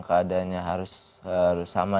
keadaannya harus sama